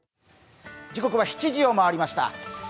時刻は７時を回りました。